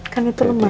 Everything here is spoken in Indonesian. kan itu lembap